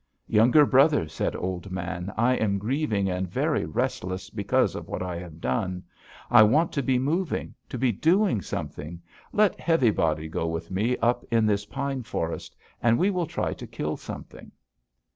"'Younger brother,' said Old Man, 'I am grieving and very restless because of what I have done. I want to be moving; to be doing something. Let Heavy Body go with me up in this pine forest, and we will try to kill something.'